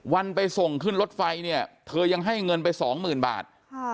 วันไปส่งขึ้นรถไฟเนี่ยเธอยังให้เงินไปสองหมื่นบาท